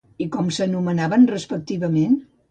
I com s'anomenaven respectivament?